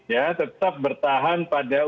ya tetap bertahan pada